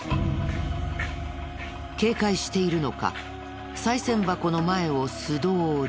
警戒しているのかさい銭箱の前を素通り。